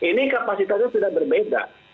ini kapasitasnya sudah berbeda